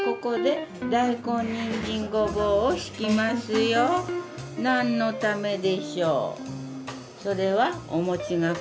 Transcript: ここで何のためでしょう？